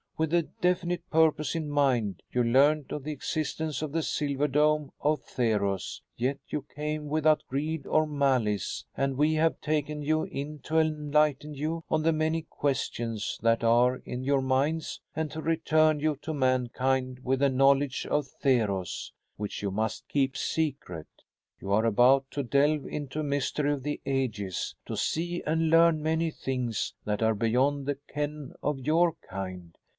With a definite purpose in mind, you learned of the existence of the silver dome of Theros, yet you came without greed or malice and we have taken you in to enlighten you on the many questions that are in your minds and to return you to mankind with a knowledge of Theros which you must keep secret. You are about to delve into a mystery of the ages; to see and learn many things that are beyond the ken of your kind.